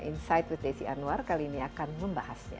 insight with desi anwar kali ini akan membahasnya